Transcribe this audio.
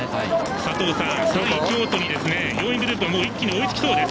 佐藤さん、３位の京都に４位グループは一気に追いつきそうです。